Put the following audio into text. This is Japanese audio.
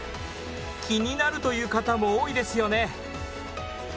気になるという方も多いですよね。